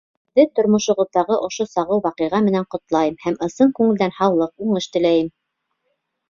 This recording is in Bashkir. Һеҙҙе тормошоғоҙҙағы ошо сағыу ваҡиға менән ҡотлайым һәм ысын күңелдән һаулыҡ, уңыш теләйем.